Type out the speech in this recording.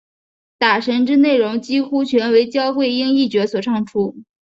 打神之内容几乎全为焦桂英一角所唱出。